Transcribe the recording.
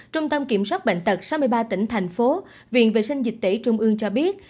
trung tâm kiểm soát bệnh tật sáu mươi ba tỉnh thành phố viện vệ sinh dịch tễ trung ương cho biết